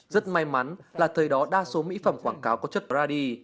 rất may mắn là thời đó đa số mỹ phẩm quảng cáo có chất bradi